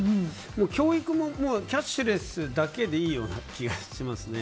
教育もキャッシュレスだけでいいような気がしますね。